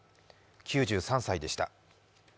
９３歳でした。